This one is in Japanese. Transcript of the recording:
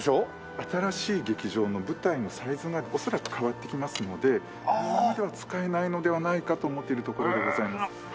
新しい劇場の舞台のサイズが恐らく変わってきますのでこのままでは使えないのではないかと思っているところでございます。